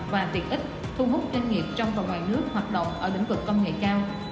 và tiện ích thu hút doanh nghiệp trong và ngoài nước hoạt động ở lĩnh vực công nghệ cao